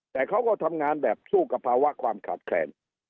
แต่เขาก็ทำงานแบบสู้กับภาวะความขาดแคลน